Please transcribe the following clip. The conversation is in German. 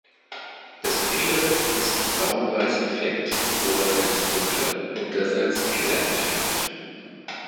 Das Gefieder ist braun-weiß gefleckt, oberseits dunkler, unterseits heller gefärbt.